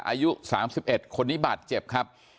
อายุสามสิบเอ็ดคนนี้บาดเจ็บครับ